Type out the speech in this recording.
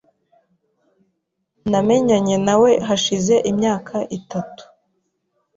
Namenyanye nawe hashize imyaka itatu.